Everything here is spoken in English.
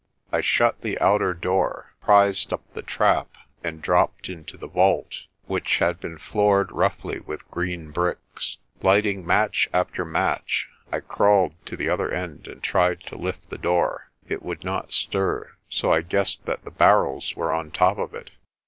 I shut the outer door, prised up the trap, and dropped into the vault, which had been floored roughly with green bricks. Lighting match after match, I crawled to the other end and tried to lift the door. It would not stir, so I guessed that the barrels were on top of it.